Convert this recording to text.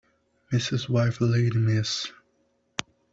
Mrs. wife lady Miss